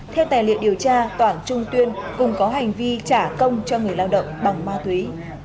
theo tài liệu điều tra toản trung tuyên cùng có hành vi trả công cho người lao động bằng ma túy